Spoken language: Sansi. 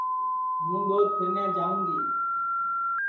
ہوں دؔوت پھیرنے جائوں گی